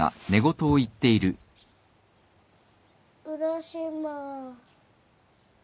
浦島。